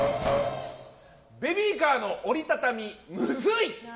ベビーカーの折り畳みむずい！